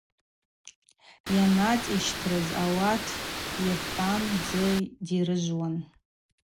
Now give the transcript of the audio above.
Йанацӏыртщтрыз ауат йырхӏвуан, дзы дирыжвуан.